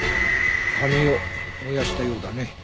紙を燃やしたようだね。